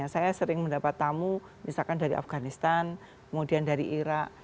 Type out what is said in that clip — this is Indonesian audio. saya sering mendapat tamu misalkan dari afganistan kemudian dari irak